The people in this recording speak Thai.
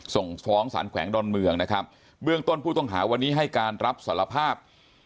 ส่งฟ้องสารแขวงดอนเมืองนะครับเบื้องต้นผู้ต้องหาวันนี้ให้การรับสารภาพ